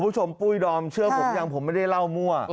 เชื่อผมยังไม่ได้เล่ามั่ว